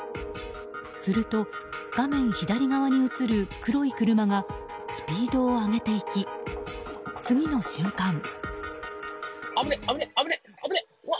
すると画面左側に映る黒い車がスピードを上げていき次の瞬間。